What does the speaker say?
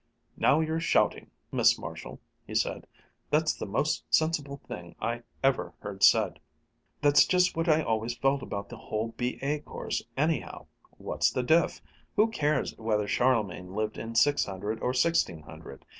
"Now you're shouting, Miss Marshall!" he said. "That's the most sensible thing I ever heard said. That's just what I always felt about the whole B.A. course, anyhow! What's the diff? Who cares whether Charlemagne lived in six hundred or sixteen hundred?